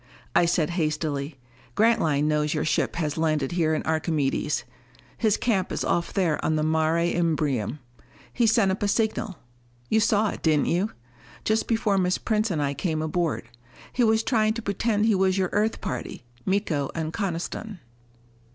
I said hastily, "Grantline knows your ship has landed here on Archimedes. His camp is off there on the Mare Imbrium. He sent up a signal you saw it, didn't you? just before Miss Prince and I came aboard. He was trying to pretend he was your Earth party, Miko and Coniston."